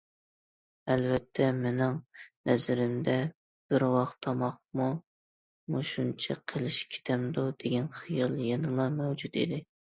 ئەلۋەتتە مېنىڭ نەزىرىمدە بىر ۋاق تاماققىمۇ مۇشۇنچە قىلىش كېتەمدۇ دېگەن خىيال يەنىلا مەۋجۇت ئىدى.